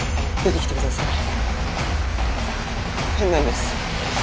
変なんです。